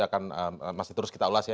akan masih terus kita ulas ya